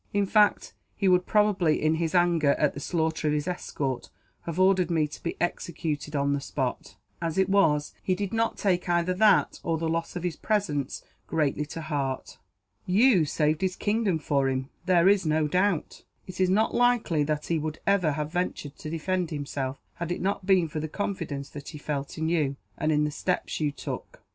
In fact, he would probably, in his anger at the slaughter of his escort, have ordered me to be executed on the spot. As it was, he did not take either that, or the loss of his presents, greatly to heart." "You saved his kingdom for him, there is no doubt. It is not likely that he would ever have ventured to defend himself, had it not been for the confidence that he felt in you, and in the steps you took."